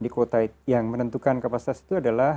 jadi kuota yang menentukan kapasitas itu adalah